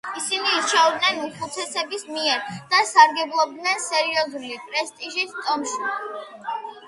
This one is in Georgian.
ისინი ირჩეოდნენ უხუცესების მიერ და სარგებლობდნენ სერიოზული პრესტიჟით ტომში.